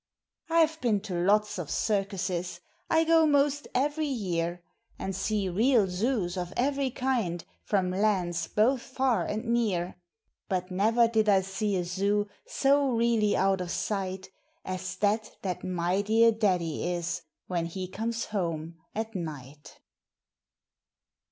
I've been to lots of circuses I go 'most every year, And see real zoos of every kind from lands both far and near; But never did I see a zoo so really out of sight As that that my dear daddy is, when he comes home at night.